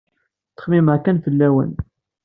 Ttxemmimeɣ kan fell-awen.